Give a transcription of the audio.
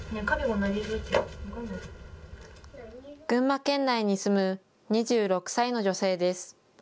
群馬県内に住む２６歳の女性です。